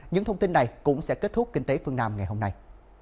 những thông tin này cũng sẽ kết thúc kinh tế phương nam ngày hôm nay